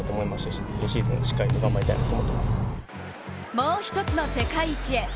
もう一つの世界一へ。